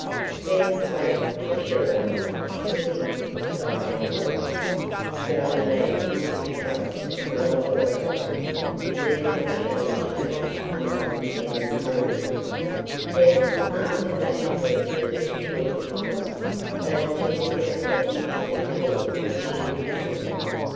"Then," quoth the Sheriff, smiting his thigh angrily, "yon knave is a coward as well as a rogue, and dares not show his face among good men and true." Then, after they had rested a short time, those ten stout men stepped forth to shoot again.